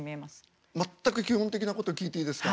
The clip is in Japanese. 全く基本的なこと聞いていいですか？